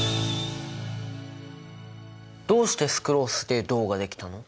どうしてスクロースで銅ができたの？